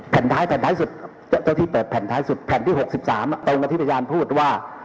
แผ่นท้ายสุดเจ้าที่เปิดแผ่นท้ายสุดแผ่นที่หกสิบสามตรงนั้นที่พยานพูดว่า